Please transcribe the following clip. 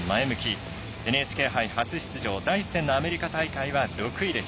ＮＨＫ杯初出場第１戦のアメリカ大会は６位。